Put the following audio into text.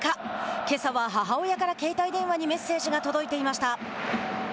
けさは母親から携帯電話にメッセージが届いていました。